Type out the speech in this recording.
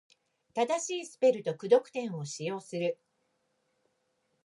正しいスペルと句読点を使用する。